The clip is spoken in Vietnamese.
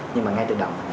nhưng mà ngay từ đầu